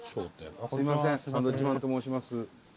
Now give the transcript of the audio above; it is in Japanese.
すいませんサンドウィッチマンと申します。